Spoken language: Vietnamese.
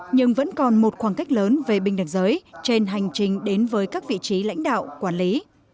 nhưng vẫn còn một khoảng cách lớn về bình đẳng giới trên hành trình đến với các vị trí lãnh đạo quản lý